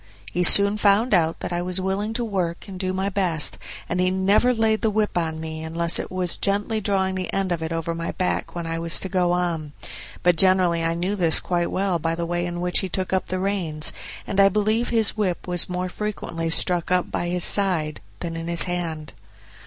He soon found out that I was willing to work and do my best, and he never laid the whip on me unless it was gently drawing the end of it over my back when I was to go on; but generally I knew this quite well by the way in which he took up the reins, and I believe his whip was more frequently stuck up by his side than in his hand.